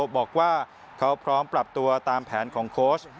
บอกว่าเขาพร้อมปรับตัวตามแผนของโค้ช